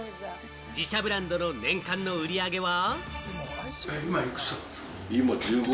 自社ブランドの年間売り上げは。